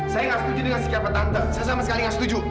saya tidak setuju dengan sikapnya tante saya sama sekali tidak setuju